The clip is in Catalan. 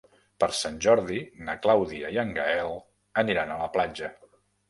Per Sant Jordi na Clàudia i en Gaël aniran a la platja.